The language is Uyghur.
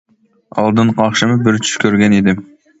ئالدىنقى ئاخشىمى بىر چۈش كۆرگەن ئىدىم.